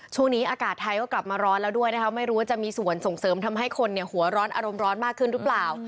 ช่วงนี้อากาศไทยก็กลับมาร้อนแล้วด้วยนะคะไม่รู้ว่าจะมีส่วนส่งเสริมทำให้คนหัวร้อนอารมณ์ร้อนมากขึ้นหรือเปล่า